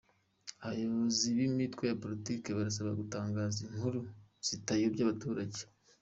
Abayobozi b’imitwe ya Politiki barasabwa gutangaza inkuru zitayobya abaturage